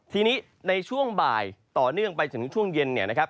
ทีนี้ในช่วงบ่ายต่อเนื่องไปถึงช่วงเย็นเนี่ยนะครับ